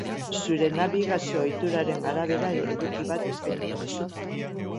Zure nabigazio-ohituren arabera eduki bat eskainiko dizute.